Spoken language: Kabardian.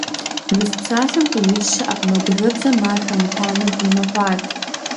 «Мыст» псалъэм къимыкӏ щыӏэкъым. Адыгэбзэм ар хэмытамэ дыунэхъуат.